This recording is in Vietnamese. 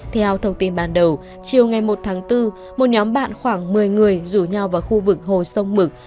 theo thông tin ban đầu chiều ngày một tháng bốn một nhóm bạn khoảng một mươi người rủ nhau vào khu vực hồ sông mực